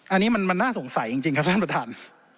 อันนี้มันน่าสงสัยจริงครับท่านประธาน